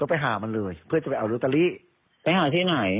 ไปหาที่ไหน